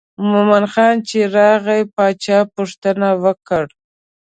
مومن خان چې راغی باچا پوښتنه وکړه.